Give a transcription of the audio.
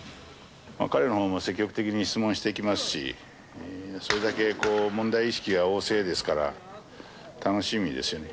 彼のほうも積極的に質問してきますし、それだけ問題意識が旺盛ですから、楽しみですよね。